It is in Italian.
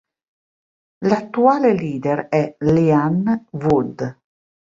L'attuale leader è Leanne Wood.